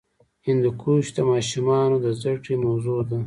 هندوکش د ماشومانو د زده کړې موضوع ده.